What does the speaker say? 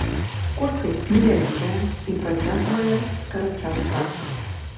Колькасць невялікая і працягвае скарачацца.